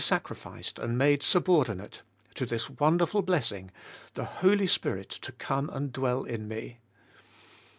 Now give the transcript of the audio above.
sacrificed and made subordinate to this wonderful blessing — the Holy Spirit to come and dwell in me.